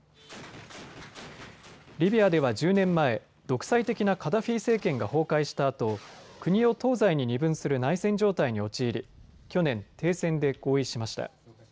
リビアでは１０年前、独裁的なカダフィ政権が崩壊したあと国を東西に二分する内戦状態に陥り去年、停戦で合意しました。